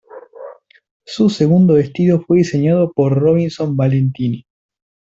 Su segundo vestido fue diseñado por Robinson Valentine.